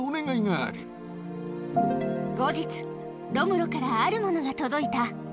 後日、ロムロからあるものが届いた。